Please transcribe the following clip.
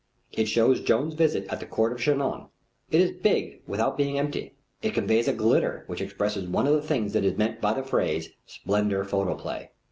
It shows Joan's visit at the court of Chinon. It is big without being empty. It conveys a glitter which expresses one of the things that is meant by the phrase: Splendor Photoplay.